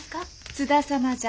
津田様じゃ。